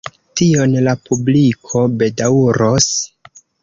Tion la publiko bedaŭros.